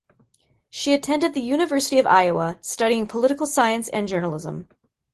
She attended the University of Iowa studying political science and journalism.